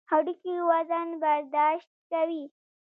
هډوکي وزن برداشت کوي.